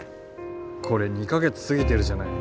これ２か月過ぎてるじゃない。